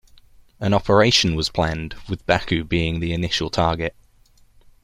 An operation was planned, with Baku being the initial target.